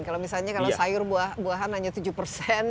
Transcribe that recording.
kalau misalnya kalau sayur buahan hanya tujuh persen